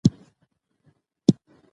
ډېر فشار د پوستکي داغونه رامنځته کوي.